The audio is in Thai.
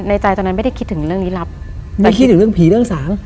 ใจตอนนั้นไม่ได้คิดถึงเรื่องลี้ลับแต่คิดถึงเรื่องผีเรื่องสาง